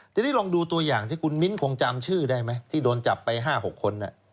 ทีนี้ลองดูตัวอย่างที่คุณมิ้นคงจำชื่อได้ไหมที่โดนจับไป๕๖คน